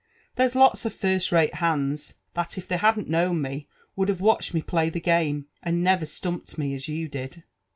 There's lots of fir^l rate hands, that If thcf hadn't known me} would hvr^ watcbiM m« play that gamOi and hett^^ slumped me as you did."